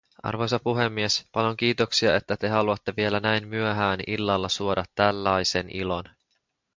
Arvoisa puhemies, paljon kiitoksia, että te haluatte vielä näin myöhään illalla suoda tällaisen ilon.